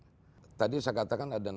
jadi tadi saya katakan ada enam area